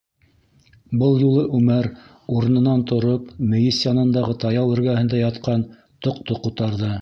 Был юлы Үмәр, урынынан тороп, мейес янындағы таяу эргәһендә ятҡан тоҡто ҡутарҙы.